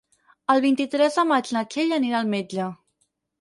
El vint-i-tres de maig na Txell anirà al metge.